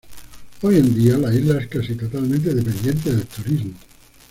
Hoy en día la isla es casi totalmente dependiente del turismo.